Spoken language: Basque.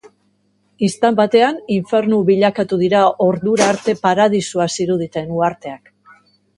Istant batean, infernu bilakatuko dira ordura arte paradisua ziruditen uharteak.